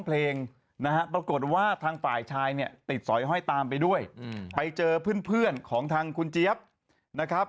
เพลงนะฮะปรากฏว่าทางฝ่ายชายเนี่ยติดสอยห้อยตามไปด้วยไปเจอเพื่อนของทางคุณเจี๊ยบนะครับ